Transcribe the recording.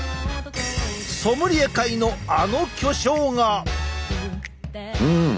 ソムリエ界のあの巨匠が。